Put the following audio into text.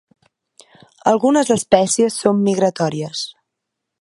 Algunes espècies són migratòries.